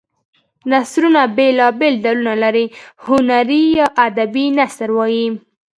نثرونه بېلا بېل ډولونه لري هنري یا ادبي نثر وايي.